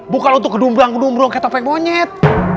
bukan untuk gedumbrang gedumbrang ketopeng monyet